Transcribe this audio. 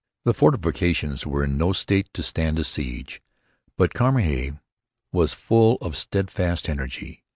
The fortifications were in no state to stand a siege. But Cramahe was full of steadfast energy.